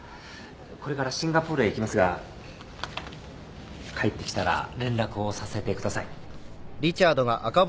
これからシンガポールへ行きますが帰ってきたら連絡をさせてください